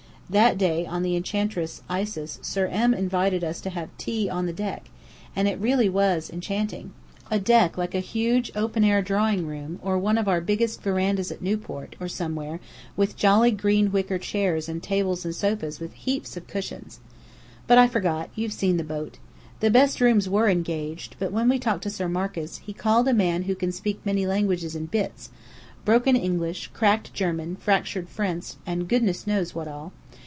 That day on the Enchantress Isis Sir M. invited us to have tea on the deck, and it really was enchanting; a deck like a huge open air drawingroom, or one of our biggest verandas at Newport, or somewhere, with jolly green wicker chairs and tables and sofas with heaps of cushions. But I forgot you've seen the boat. The best rooms were engaged, but when we talked to Sir Marcus, he called a man who can speak many languages in bits broken English, cracked German, fractured French, and goodness knows what all.